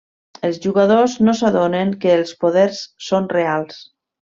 Els jugadors no s'adonen que els poders són reals.